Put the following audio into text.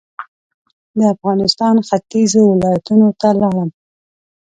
د افغانستان ختيځو ولایتونو ته لاړم.